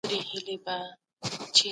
بدل او بدلک د ښځو لپاره منع شول.